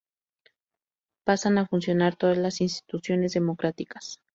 Pasan a funcionar todas las instituciones democráticas.